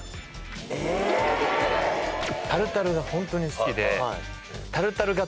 タルタルが本当に好きで。